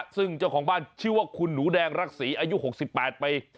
ซึ่งเจ้าของบ้านชื่อว่าคุณหนูแดงรักษีอายุ๖๘ปี